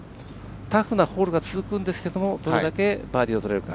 タフなホールが続くんですがどれだけバーディーがとれるか。